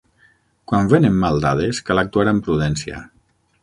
Quan venen mal dades, cal actuar amb prudència.